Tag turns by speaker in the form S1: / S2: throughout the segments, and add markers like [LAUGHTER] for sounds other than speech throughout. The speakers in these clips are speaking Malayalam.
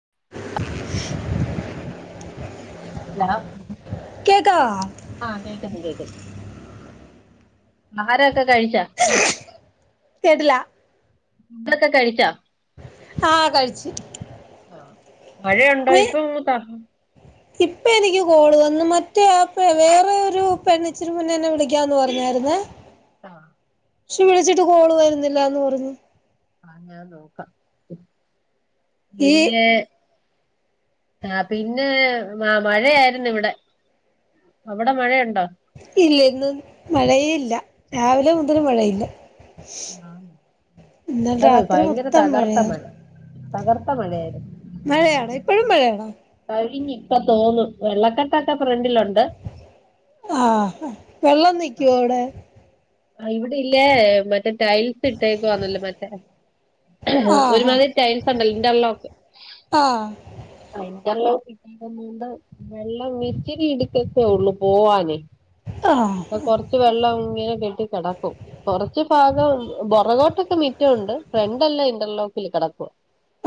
S1: [INAUDIBLE]
S2: ഹല
S1: കേക്കാവോ
S2: ആഹ കേൾക്കുന്നു കേൾക്കുന്നു ആഹാരൊക്കെ കഴിച്ചാ
S1: കേട്ട്ല
S2: ഫുടൊക്കെ കഴിച്ചാ
S1: ആഹ കഴിച്ച്
S2: ആഹ മഴയുണ്ടോ ഇപ്പൊ തണ്
S1: ഇപ്പ എനിക്ക് കോള് വന്ന് മറ്റേപ്പ വേറെ ഒരു പെണ്ണിച്ചിന് മുന്നേ എന്നെ വിളിക്കാന്ന് പറഞ്ഞായിരുന്നേ.
S2: ആഹ
S1: പക്ഷെ വിളിച്ചിട്ട് കോള് വരുന്നില്ലന്ന പറഞ്ഞു
S2: ആഹ ഞാൻ നോക്കാം.
S1: ഈ
S2: പിന്നെ ആ പിന്നെ മഴയായിരുന്നു ഇവിടെ അവിടെ മഴയുണ്ടോ?
S1: ഇല്ല ഇന്നും മഴയ ഇല്ല രാവിലെ മുതൽ മഴയില്ല.
S2: ആഹ്
S1: ഇന്നലെ
S2: ഇവിടെ
S1: രാത്രി
S2: ഭയങ്കര
S1: മൊത്തം
S2: തകർത്ത
S1: മഴയ
S2: മഴ തകർത്ത മഴയായിരുന്നു
S1: മഴയാണ് ഇപ്പോഴും മഴയാണോ
S2: കഴിഞ്ഞ ഇപ്പൊ തോർന്നു. വെള്ളക്കെട്ടൊക്കെ പ്രണ്ടിലുണ്ട്
S1: ആ വെള്ളം നിക്കുവോ അവിടെ
S2: ഇവിടെല്ലേ മറ്റേ ടൈൽസ് ഇട്ടേക്ക വന്നല്ലേ മറ്റേ
S1: ആ
S2: ഒരുമാതിരി ടൈൽസ് ഉണ്ടല്ലോ,
S1: ആ
S2: ഇന്റർലോക്ക് ഇണ്ട് വെള്ളം ഇച്ചിരി ഇടിക്കക്കെ ഉള്ളു പോവാനേ
S1: ആ ആ
S2: കൊറച്ച് വെള്ളം ഇങ്ങനെ കെട്ട കിടക്കും കുറച്ച് ഭാഗം ബൊറകോട്ടൊക്കെ മിറ്റുണ്ട് ഫ്രണ്ട്ല്ല ഇന്റർലോക്ക് കിടക്കുവാ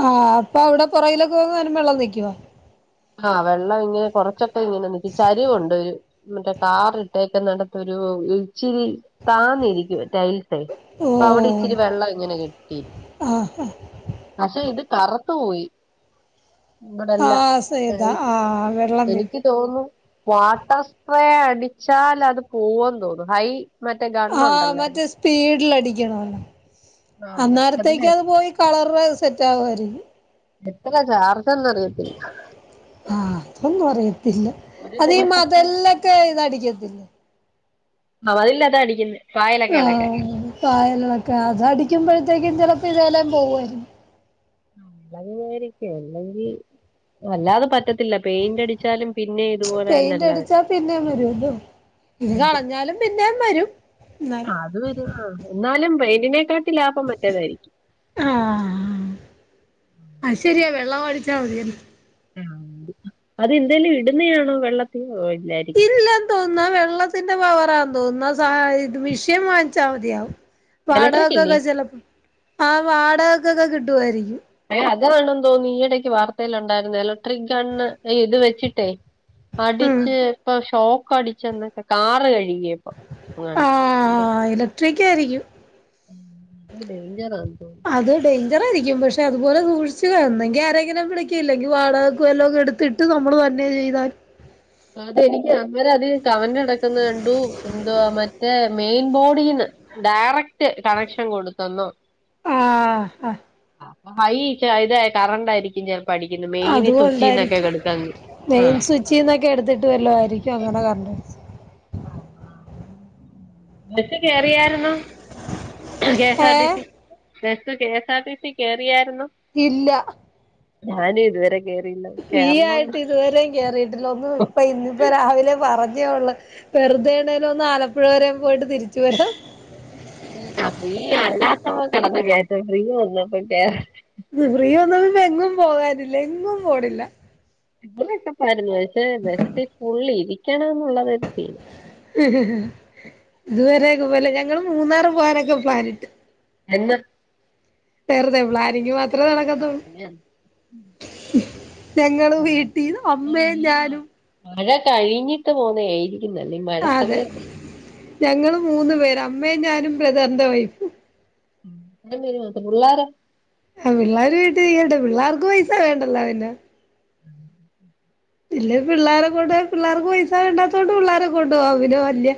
S1: ആഹ് അപ്പൊ അവിടെ പുറകിലൊക്കെ പോനും വെള്ളം നിക്കോ
S2: ആഹ വെള്ളം ഇങ്ങനെ കൊറച്ചൊക്കെ ഇങ്ങനെ ക്കി ചരിവുണ്ട് മറ്റേ കാറിട്ടൊക്കെ നടത്തൊരു ഇച്ചിരി താന്നിരിക്കും ടൈൽ തേ
S1: ഓ
S2: അവിടെ ഇച്ചിരി വെള്ളം ഇങ്ങനെ കെട്ടി
S1: ആ ആ
S2: പക്ഷെ ഇത് കറുത്ത് പോയി ഇവടെല്ലാം.
S1: ആഹ് സേത ആഹ് വെള്ളം വീണ്
S2: എനിക്ക് തോന്നുന്നു വാട്ടർ സ്പ്രേ അടിച്ചാൽ അത് പോവന്ന് തോന്നുന്നു ഹൈ മറ്റേ
S1: ആഹ
S2: ഗണ്ണുണ്ടല്ലോ അടി
S1: മറ്റേ സ്പീഡിൽ അടിക്കണം.
S2: ആഹ് പക്ഷെ അതിന്
S1: അന്നേരത്തേക്ക് അത് പോയി കളറ് സെറ്റ് ആകുമായിരിക്കും.
S2: എത്ര ചാർ
S1: ആഹ് അതൊന്നു അറിയി ഇല്ല
S2: ഒരു
S1: അതീ
S2: ദിവസം
S1: മതൽനൊക്കെ ഇതടിക്കത്തില്ലേ
S2: മതില്ലാത്താ അടിക്ക്ന്നേ
S1: ആഹ് പായലൊക്കെ. അതടിക്കുമ്പഴ ത്തേക്കും ചെലപ്പോ ഇതെല്ലാം പോവുമായിരുന്നു
S2: ഉം വെള്ളേരിക്കു അല്ലെങ്കി അല്ലാതെ പ റ്റത്തില്ല പെയിന്റ് അടിച്ചാലും പിന്നെ
S1: പെയിന്റ്
S2: ഇതുപോലെന്നല്ലെ വ
S1: അടിച്ചാ പിന്നേം വരുവല്ലോ ഇത് കളഞ്ഞാലും പിന്നേം വരും
S2: ആ
S1: എന്നാലും
S2: അത് വരു ആ എന്നാലും പെയിന്റിനെക്കാട്ട് ട്ട് ലാഭം മറ്റതായിരിക്കും
S1: ആഹ് ള്ളമടിച്ചാ മതിയെന്ന്
S2: അതെന്തേലും ഇട്ന്നയാണോ വെള്ളത്തി ഇല്ലായിരിക്കും
S1: ഇല്ലന്തോന്നു ആ വെള്ള ത്തിന്റെ പവറാ തോന്നുന്നു. ആ സാ ഇത് മിഷ്യൻ വാങ്ങിച്ചാ മതിയാവും
S2: ഇലക്ട്രിക് ഇല്ലേ
S1: വാടകക്കൊക്കെ ചെലപ്പൊ, ആ വാടകക്കൊക്കെ കിട്ടുവായിരിക്കും.
S2: [UNINTELLIGIBLE] തോന്നി ഈയിടക്ക് വാർത്തേലുണ്ടായിരുന്നു എലക്ട്രിക് ഗണ്ണ് ഇത് വെച്ചിട്ടേ
S1: ഉം
S2: അടിച്ച് ഇപ്പൊ ഷോക്കടിച്ചെന്നൊക്കെ കാറ് കഴ് ഇല്ല ഇപ്പൊ [UNINTELLIGIBLE]
S1: ഇലക്ട്രിക്കായിരിക്കും
S2: ഇത് ഡേഞ്ചറാന്ന് തോന്നുന്നു
S1: അതടെ ഞ്ചറായിരിക്കും പക്ഷെ അതുപോലെ സൂക്ഷിച്ച് ഒന്നെങ്കി ആരെങ്കിലും വിളിക്കാ ഇല്ലെങ്കി വാടകക്ക് വല്ലോം കൊടുത്തിട്ട് നമ്മള് ന്നെ ചെയ്ത
S2: അതെനിക്ക് അന്നേരതീ കമന്റ് കെടക്ക്ന്ന കണ്ടൂ എന്തുവാ മറ്റേ മെയിൻ ബോഡീന്ന് ഡയറക്റ്റ് കണക്ഷൻ കൊടുത്തെന്നോ
S1: ആഹ് അഹ്
S2: ഹൈ ഇതായ കറണ്ടായിരിക്കും ചെലപ് പഠിക്കുന്നു മെയിനി സുച്ചീന്നൊക്കെ
S1: അതുകൊണ്ടായിരിക്കും
S2: കൊടുക്കാ ഇനി.
S1: മെയിൻ
S2: ഏഹ്
S1: സ്വിച്ചിന്നൊക്കെ എടുത്തിട്ട് വല്ലോ ആയിരിക്കും അങ്ങനെ കരണ്ടടിച്ചത്
S2: ആഹ് [INAUDIBLE] ബസ് കേറിയായിരുന്നു. കെ എസ് ആർ ടി
S1: ഏഹ്
S2: C bus K S R T C കേറിയാര്
S1: ഇല്ല
S2: ഞാനു ഇതു വരെ
S1: ഫ്രീ ആയിട്ട് ഇതുവരെയും കേറിയിട്ടില്ല ഒന്നും ഇപ്പ ഇന്നിപ്പോ രാവിലെ പറഞ്ഞ് ഞ്ഞേ ഉള്ളു വെറുതേണേലും ഒന്ന് ആലപ്പുഴ വരേം പോയിട്ട് തിരിച്ചു വരാം
S2: ഫ്രീ ഫ്രീ അല്ലാത്തപ്പോ കേറ്ന്നില്ല അപ്പാ ഫ്രീ വന്നപ്പോ കേറാൻ
S1: ഫീ വന്നപ്പം ഇപ്പൊ എങ്ങും പോകാനില്ല എങ്ങും പോണില്ല
S2: ഇവരൊക്കെ പറഞ്ഞു. പക്ഷേ ബസ്സിൽ ഫുൾ ഇരിക്കണം എന്നുള്ളതാ ഒരു ഫീല്
S1: ഇതുവരെക്ക പോല ഞങ്ങള് മൂന്നാറ് പോവാനൊക്കെ പ്ലാനിട്ട്
S2: എന്ന്
S1: വെറ്തെ പ്ലാനിങ് മാത്രമേ നടക്കത്തൊള്ളു ഞങ്ങള് വീട്ടീന്ന് അമ്മയും ഞാനും
S2: മഴ കഴിഞ്ഞിട്ട് പോന്നയാ [UNINTELLIGIBLE]
S1: അതെ ഞങ്ങള് മൂന്നു പേര് അമ്മയും ഞാനും ബ്രദറിന്റെ വൈഫും
S2: ഉം [UNINTELLIGIBLE] പുള്ളാരൊ?
S1: ആ പിള്ളാര് വീട്ടീ ഇരിക്കട്ടെ പിള്ളേർക്ക് പൈസ വേണ്ടല്ലോ പിന്നെ
S2: ഉം
S1: ഇല്ലേ പിള്ളേരെ കൊണ്ടോയ പിള്ളേർക്ക് പൈസ വേണ്ടാത്തോണ്ട് പിള്ളേരെ കൊണ്ടോവാം. അതിന് വല്യ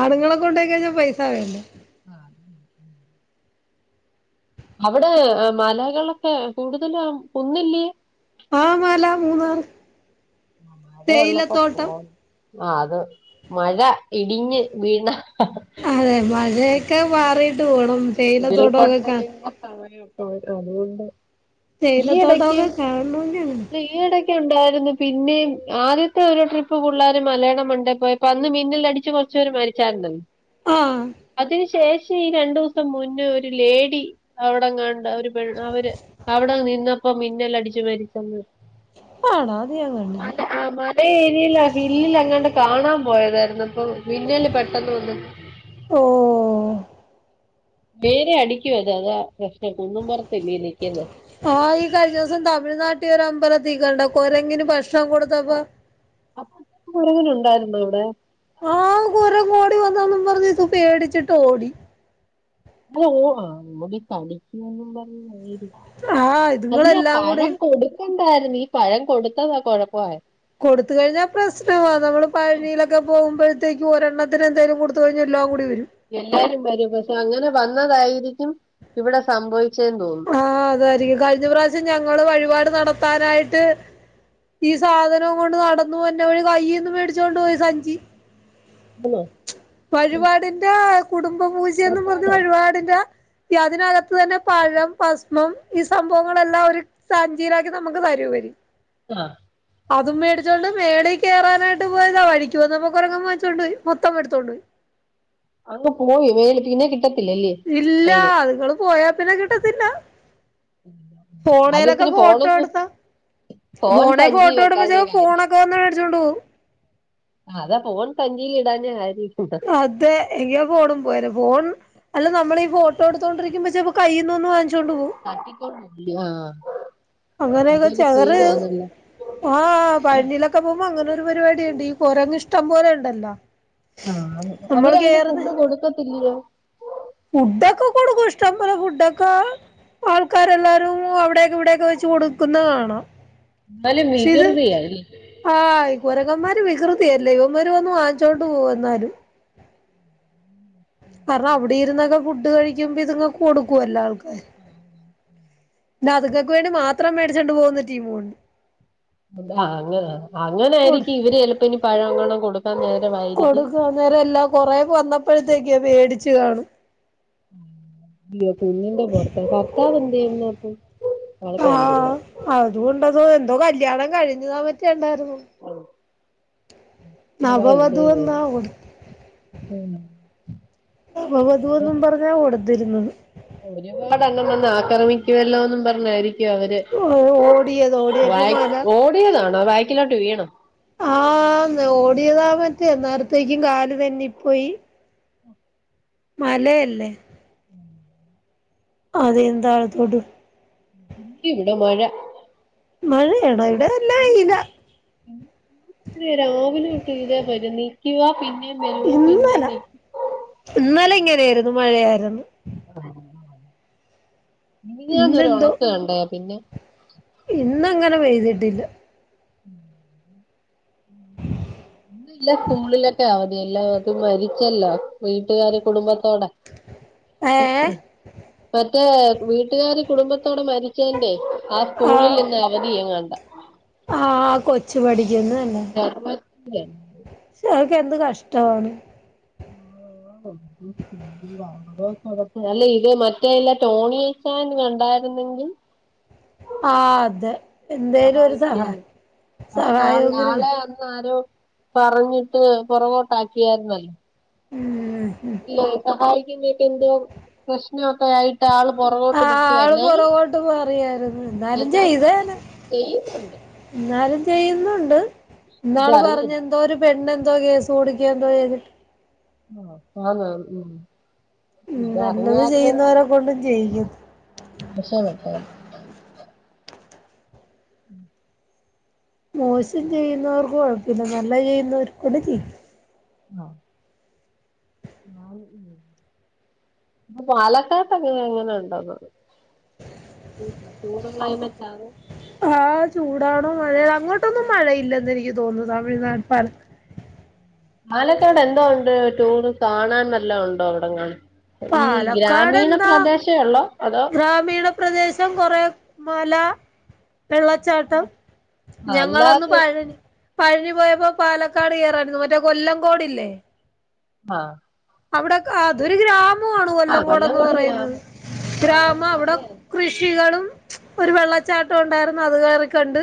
S1: ആണ്ങ്ങളെ കൊണ്ടോയിക്കയിഞ്ഞാൽ പൈസ വേണ്ടേ.
S2: ആഹ [INAUDIBLE] അവിടെ മലകളൊക്കെ കൂടുതല കുന്നില്ല്യെ?
S1: ആ മല മൂന്നാറ്.
S2: ആവിടൊ ഉള്ളപ്പോ പോ ആ അത് മഴ ഇടിഞ്ഞ് വീണ
S1: അതെ മഴയൊക്കെ മാറിട്ട് പോ
S2: ഉരുൾപൊട്ടലിന്റെ സമയംക്കെ അതുകൊണ്ട്. ഈ ഇടയ്ക്ക്
S1: തേയിലത്തോട്ടമൊക്കെ കാണണമെങ്കി അങ്ങനെ
S2: ഇല്ല ഈ ഇടക്ക്. ണ്ടായി പിന്ന ആദ്യത്തെ ഒരു ട്രിപ്പ് പിള്ളേർ മലയാള മണ്ടേ പോയിപ്പോ അന്ന് മിന്നിൽ അടിച്ച കുച്ചര് മരിച്ചായിരുനു-
S1: ആഹ്
S2: അതിന് ശേഷം ഈ രണ്ടു ദിവസ മുന്നേ ഒരു ലേഡി അവിടെകാൺ അവ അവര് അവിടെ നിന്നപ്പോ മിന്നല് അടിച്ചു മരിച്ചന്ന്
S1: ആണോ അത് ഞാൻ കണ്ടില്ല
S2: ആ മഴ ഏരിയില ഹില്ലിൽ അങ്ങോണ്ട് കാണാ പോയതായിരുന്നു ഇപ്പോ മിന്നല് പെട്ടെന്ന് വന്നു
S1: ഓ
S2: വറെ അടിക്കു അത് അതാ പ്രശ്നം കുന്നുംപുറത്തല്ലേ നിക്കുന്നത്
S1: ആഹ ഈ കഴിഞ്ഞ ദിവസം തമിഴ്നട്ട്ക്കര അമ്പല [UNINTELLIGIBLE] ക്കണ്ട കൊരെങ്ങിന് ഭക്ഷണം കൊടുത്തപ്പ
S2: കുറങ്ങന് ഉണ്ടായിരുന്നോ ഇവിടെ
S1: ആഹ കുരങ്ങ് ഓടിവന്നന്നും പറഞ്ഞ് പേടിച്ചിട്ട് ഓടി
S2: അഓ ആ നമ്മുക്ക് തളിക്കന്നും [UNINTELLIGIBLE] പറഞ്ഞായി [UNINTELLIGIBLE]
S1: ആഹ്
S2: അല്ല
S1: ഇതുങ്ങളെല്ലാം
S2: പഴ
S1: കൂടി
S2: കൊടുക്കണ്ടായിരുന്നു ഈ പഴം കൊടുത്തതാ കൊഴപ്പമായെ
S1: കൊടുത്ത കഴിഞ്ഞാൽ പ്രശ്നമാണ് നമ്മള് പഴനിയിലൊക്കെ പോകുമ്പോഴത്തേകക്കും ഒരെണ്ണത്തിന് എന്തായാലും കൊടുത്ത കഴിഞ്ഞാ എല്ലാം കൂടി വരും.
S2: എല്ലാരും വരും പക്ഷം അങ്ങനെ വന്നതായിരിക്കും ഇവിടെ സംഭവിക്ക
S1: ആഹ അതായിരിക്കും കഴിഞ്ഞ പ്രാവശ്യം ഞങ്ങള് വഴിപാട് നടത്താനായിട്ട് ഈ സാധനം കൊണ്ട് നടന്നുവരുന്ന വഴി കൈൽന്നു മേടിച്ചോണ്ട് പോയി സഞ്ചി വഴിപാടിന്റെ കുടുംബ പൂജയന്നും പറഞ്ഞ
S2: തോന്നുന്നു
S1: വഴിപാടിന്റ ഈ അതിനാകാത്തന്നെ പഴം ഭസ്മം ഈ സംഭവങ്ങളെല്ലാം ഒരു സാഞ്ചിയിലാക്കി നമുക്ക് തരുവെ
S2: ആ
S1: അതും മേടിച്ചോണ്ട് മേളേൽ കേരനായിട്ട് പോയതാ വഴിക്ക് വന്നപ്പോ കുരങ്ങൻ വാങ്ങിച്ചോണ്ടുപോയി മൊത്തം എടുത്തോണ്ടോയി
S2: അങ് പോയി മേല് പിന്നെ കിട്ട
S1: ഇല്ല അതുങ്ങള് പോയാ പിന്നെ കിട്ടത്തില്ല ഫോണലൊക്കെ
S2: ഭാഗ്യത്തിന്
S1: ഫോട്ടോ
S2: ഫോണൊന്ന്
S1: എടുത്താ
S2: ഫോൺ
S1: ഫോണെ
S2: സഞ്ചി
S1: ഫോട്ടോ
S2: വെക്കാഞ്ഞ
S1: എടുമ്പോ
S2: കാര്യം
S1: ഫോണൊക്കെ വന്ന് മേടിച്ചുകോണ്ട് പോവും
S2: അതാ ഫോൺ തഞ്ചി ഇടാനാ ഹരി [UNINTELLIGIBLE]
S1: അതെ എങ്കാ ഫോണും പോയന ഫോൺ അല്ല നമ്മള് ഈ ഫോട്ടോ എടുത്തോണ്ടിരിക്കുമ്പോ ചെലപ്പോ കൈ
S2: [INAUDIBLE] [INAUDIBLE] [INAUDIBLE]
S1: അങ്ങനെയൊക്കെ
S2: അതൊരു
S1: ചകറ്
S2: സീനാണല്ലോ
S1: ആഹ പഴിനിലൊക്കെ പോകുമ്പോ അങ്ങനെ ഒരു പരിപാടിയുണ്ട് ഈ കൊരങ്ങ് ഇഷ്ടം പോലെ ഉണ്ടല്ലോ
S2: ആ [INAUDIBLE] അവര്
S1: നമ്മള്
S2: അതിന്
S1: കേറുന്നെ
S2: ഫുഡ് കൊടുക്കത്തില്ലയോ
S1: ക്ക ആൾക്കാരെല്ലാരും അവിടേക്കെ ഇവിടെക്കെ വെച്ച് കൊടുക്കുന്ന കാണാം
S2: എന്നാലും
S1: ശിത്
S2: വികൃതിയാ അല്ലേ
S1: ആഹ കുരങ്ങന്മാര് വികൃതിയല്ലേ ഇവന്മാര് വന്ന് വാങ്ങിച്ചോണ്ട് പോവും എന്നാലും കാരണം അവിടെ ഇരുന്നൊക്കെ ഫുഡ് കഴിക്കുമ്പ ഇതങ്ങ കൊടുക്കുവല്ലോ പി അതുക്കൾക്ക് വേണ്ടി മാത്രം മേടിച്ചണ്ട് പോകുന്ന ടിമുണ്ട്
S2: അന അങ്ങനൊയിയിരിക്കും ഇവര് ചിലപ്പോ ഇനി പഴങ്ങൾ കൊടുക്ക
S1: കൊടുക്ക നേര എല്ലാ കൊറെ വന്നപ്പോഴത്തേക്കെയാ പേടിച്ചു കാണും
S2: [UNINTELLIGIBLE] ഭർത്താവ് എന്തെ ഈ നേരത്ത്
S1: ആഹ അതുകൊണ്ടതോ എന്തോ കല്യാണം കഴിഞ്ഞതോ പറ്റിയണ്ട
S2: [INAUDIBLE]
S1: നവവധുവെന്നാ കൊടു
S2: [UNINTELLIGIBLE]
S1: അവ
S2: അവര്
S1: വധുവെന്നു പറഞ്ഞ കൊടുത്തിരുന്നത്
S2: ഒരുപാട് അന്ന വന്ന ആക്രമിക്കുവല്ലോന്നും പറഞ്ഞായിരിക്കും അവര്
S1: ഓടിയത് ഓടിയപ്പോ
S2: വാക്കി
S1: മല
S2: ഓടിയതാണോ ബാക്കിലോട് വീണു
S1: ആ ന്ന് ഓടിയതാ മറ്റേ അന്നേരത്തേക്കും കാല് തേനിപ്പോയി മലയല്ലേ അതെ എന്തായതൊട്ട്
S2: ഇവിടെ മഴ
S1: മഴയണോ ഇട എല്ലാ ഇല
S2: രാവിലെ തീരെ വര നീക്കവാ പിന്ന [INAUDIBLE] പിന്നെ [INAUDIBLE]
S1: എങ്ങനെയായിരുന്നു മഴയായിരുന്നു
S2: മിനിഞ്ഞാന്ന് ഒരൊണക്ക് കണ്ടാ പിന്നെ.
S1: ഇന്ന് അങ്ങനെ പെയ്തിട്ടില്ല.
S2: [INAUDIBLE]
S1: [INAUDIBLE]
S2: ഇ ഇല്ല സ്കൂളിലൊക്കെ അവധി എല്ലാം അത് മരിച്ചല്ലോ വീട്ടുകാര് കുടുംബ കുടുംബത്തോടെ
S1: ഏ
S2: മറ്റേ വീട്ടുകാര് കുടുംബ ത്തോടെ മരിച്ചതിന്റെറെ ആ സ്കൂളിലിന്ന് അവധിയെങ്ങാണ്ട.
S1: ആഹ് കൊച്ചു പഠിക്കുന്നുല്ലെ
S2: അവധിയെങ്ങാണ്ട
S1: ശ എന്ത് കഷ്ടവാണ്.
S2: [INAUDIBLE] [UNINTELLIGIBLE] തോണി അച്ചായൻ ന്നെങ്കിൽ
S1: ആ അതെ എന്തേലും ഒരു സഹായ
S2: ആൾ ആളെ അന്നാരോ പറഞ്ഞിട്ട് പുറകോട്ടാക്കിയായിരുന്നല്ലോ?
S1: ഉം ഉം
S2: അല്ല സഹായിക്കു നെ ഒക്കെ എന്തോ പ്രശ്നൊക്കെ ആയി. ആള്
S1: ആ
S2: പുറകോട്ട് നിക്കുവാ
S1: ആള്
S2: എന്നാലും
S1: പുറകോട്ട് മാറിയായിരുന്നു
S2: എന്നാലും ആള്
S1: ചെയ്തേനെ
S2: ചെയ്യുന്നുണ്ട്.
S1: എന്നാലും ചെയ്യുന്നുണ്ട് ഇന്നാള് പറഞ്ഞ
S2: ഇതറിഞ്ഞില്ല
S1: എന്തോ ഒരു പെണ്ന്തോ കേസ് കൊടുക്കെ എന്തോ ചെയ്തിട്ട്.
S2: [UNINTELLIGIBLE]
S1: ഉ നല്ലത് ചെയ്യുന്നവരെ കൊണ്ടും ജയിക്കും
S2: രക്ഷപ്പെട്ട [INAUDIBLE]
S1: മോശം ചെയ്യുന്നവർക്ക് കൊഴപ്പില്ല നല്ല ചെയ്യുന്നവർ കൊണ്ട് ചി
S2: ആഹ [UNINTELLIGIBLE] ഇ പാലക്കാട്ട അങ്ങനെ എങ്ങനെ ഉണ്ടുന്നത്. [UNINTELLIGIBLE]
S1: ആഹ ചൂടാണോ മഴ അങ്ങോട്ടൊന്നും മഴയില്ലെന്ന് എനിക്ക് തോന്നുന്നു. തമിഴ്നാട് പല
S2: പാലക്കാട് എന്തോ ഉണ്ട് ടൂറ് കാണാൻ നല്ലാം ഉണ്ടോ അവിടങ്ങാനും.
S1: പാലക്കാട് എന്താ
S2: ഒള്ളോ അതോ
S1: ഗ്രാമീണ പ്രദേശം കൊറെ മല വെള്ളച്ചാട്ടം
S2: ആഹ്
S1: ഞങ്ങളൊന്ന്
S2: അല്ലാതെ
S1: പഴ പഴനി പോയപ്പോ പാലക്കാട് കറായിരുന്നു മറ്റേ കൊല്ലംകോട്ല്ലേ?
S2: ആഹ
S1: അവിടെ അ അതൊരു ഗ്രാമം [UNINTELLIGIBLE]
S2: ആഹ്
S1: കൊല്ലംകോടന്ന്
S2: കൊല്ലംകോട്
S1: പറയുന്നത്
S2: ഗ്രാമം ആഹ്
S1: ഗ്രാമം അവിടെ
S2: നല്ലയാണ്
S1: കൃഷികളും. ഒരു വെള്ളച്ചാട്ടം ഉണ്ടായിരുന്നു അത് കേറികണ്ട്.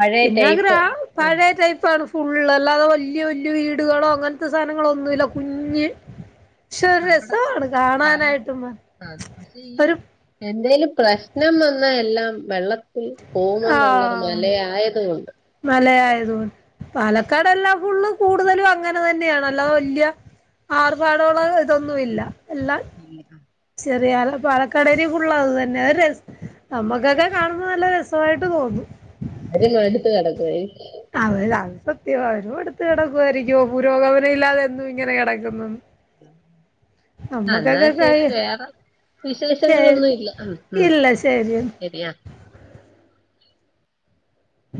S2: പഴയ
S1: പിന്നെആ
S2: ടൈപ്പ്
S1: ഗ്രാമം പഴയ ടൈപ്പ്ആണ്. ഫുള്ള് അല്ലാതെ വലിയ വല്യ വീടുകളോ അങ്ങനത്തെ സാധനങ്ങളോ ഒന്നുല്ല കുഞ്ഞ് പക്ഷെ ഒരു രസമാണ്
S2: [UNINTELLIGIBLE]
S1: കാണാനായിട്ടും ഒരു
S2: പ്രശ്നം വന്ന എല്ലാം വെള്ളത്തിൽ പോവുമെന്നുള്ളത് മലയായത് കൊണ്ട്.
S1: മലയായത് പാലക്കാടെല്ലാം ഫുള്ള് കൂടുതലും അങ്ങനെ തന്നെയാണ് അല്ലാതെ വല്യ ആർഭാടള്ള ഇതൊന്നുല്ല
S2: ഇല്ല.
S1: ചെറിയ പാല കടേൽ ഫുള്ള് അത് തന്നെ ര നമ്മുക്കൊക്കെ കാണുന്ന നല്ല രസമായിട്ട് തോന്നും.
S2: അവര് [UNINTELLIGIBLE] കിടക്കുവായി.
S1: അവ അത് സത്യം അവരു മടുത്ത് കിടക്കുവായിരിക്കു പുരോഗമന ഇല്ലാതെ എന്നും ഇങ്ങനെ കിടക്കുന്നു.
S2: എന്നാ ശെരി
S1: കഴി
S2: വേറെ
S1: ശരി
S2: വിശേഷങ്ങളൊന്നും ഇല്ല ഉം ഉം
S1: ഇല്ല ശരി
S2: ശരിയാ
S1: ഉ